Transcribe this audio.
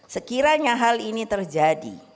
sekiranya hal ini terjadi